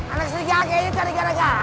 anak serigala kayaknya cari gara gara